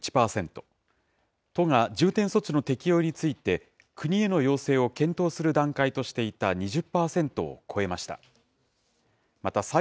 都が重点措置の適用について、国への要請を検討する段階としていた２０％を超えました。